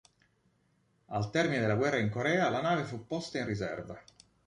Al termine della guerra in Corea la nave fu posta in riserva.